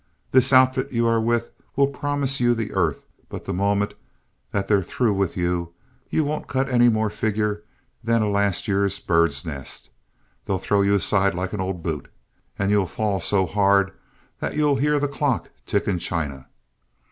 This outfit you are with will promise you the earth, but the moment that they're through with you, you won't cut any more figure than a last year's bird's nest. They'll throw you aside like an old boot, and you'll fall so hard that you'll hear the clock tick in China.